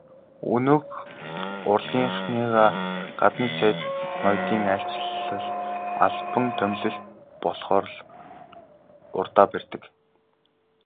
Өнөөх урлагийнхныгаа гаднын сайд ноёдын айлчлал, албан томилолт болохоор л урдаа барьдаг.